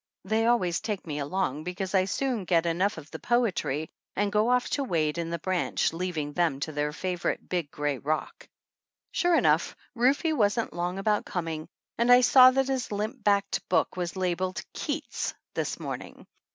They always take me along because I soon get enough of the poetry and go off to wade in the branch, leaving them on their favorite big gray rock. Sure enough* Rufe wasn't long about coming, fuid I saw that his limp backed book was labeled "Keats" this morning.